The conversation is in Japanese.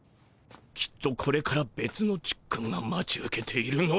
きっとこれからべつのちっくんが待ち受けているのだ。